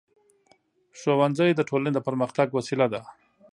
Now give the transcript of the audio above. ښوونځی د ټولنې د پرمختګ وسیله ده.